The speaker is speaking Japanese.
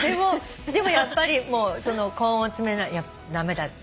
でもやっぱり根を詰めるのは駄目だって。